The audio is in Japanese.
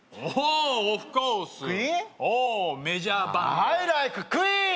オーメジャーバンドアイライククイーン！